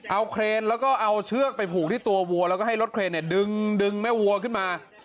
เอาเครนแล้วก็เอาเชือกไปผูกที่ตัววัวแล้วก็ให้รถเครนเนี่ยดึงแม่วัวขึ้นมา